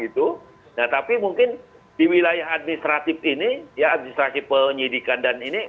nah tapi mungkin di wilayah administratif ini ya administrasi penyidikan dan ini